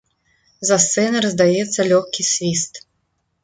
За сцэнай раздаецца лёгкі свіст.